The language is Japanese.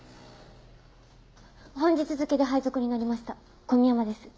本日付で配属になりました古宮山です。